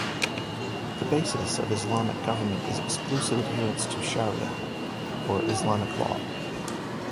The basis of Islamic government is exclusive adherence to "Sharia", or Islamic law.